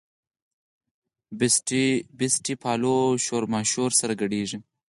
بنسټپالو شورماشور سره ګډېږي.